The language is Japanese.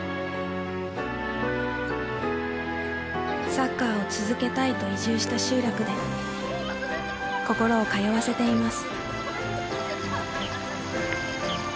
サッカーを続けたいと移住した集落で心を通わせています。